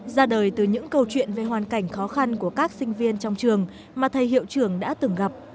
ra đời từ những câu chuyện về hoàn cảnh khó khăn của các sinh viên trong trường mà thầy hiệu trưởng đã từng gặp